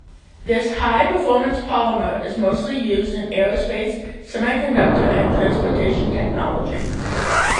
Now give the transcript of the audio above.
This high performance polymer is mostly used in aerospace, semiconductor and transportation technology.